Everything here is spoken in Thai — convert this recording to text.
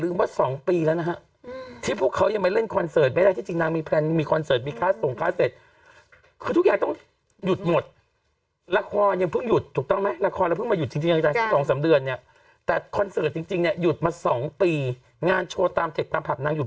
อืมบางทีมันก็เป็นได้นะเขาเรียกชื่อมาม่าบลู